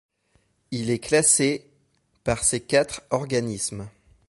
Il est classé ' par ces quatre organismes.